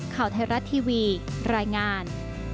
ข่าวไทยรัฐทีวีรายงาน